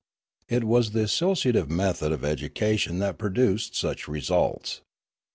It was the associative method of education that produced such results.